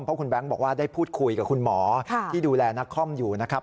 เพราะคุณแบงค์บอกว่าได้พูดคุยกับคุณหมอที่ดูแลนักคอมอยู่นะครับ